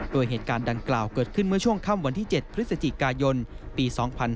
โดยเหตุการณ์ดังกล่าวเกิดขึ้นเมื่อช่วงค่ำวันที่๗พฤศจิกายนปี๒๕๕๙